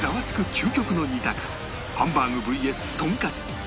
究極の２択ハンバーグ ＶＳ とんかつ